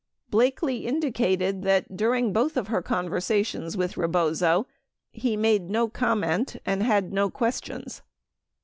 28 Blakely indicated that during both of her conversations with Rebozo, he made no comment and had no questions.